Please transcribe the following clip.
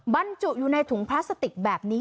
บรรจุอยู่ในถุงพลาสติกแบบนี้